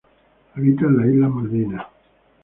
Habita en las Islas Malvinas.